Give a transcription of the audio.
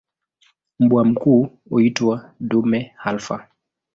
Mbwa mkuu huitwa "dume alfa".